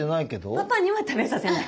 パパには食べさせない。